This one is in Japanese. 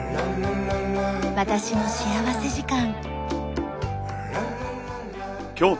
『私の幸福時間』。